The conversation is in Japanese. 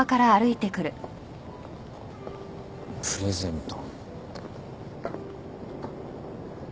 プレゼント。